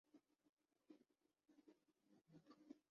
خواتین کرکٹرز کا fitness test yo yo میں تمام کھلاڑی پاس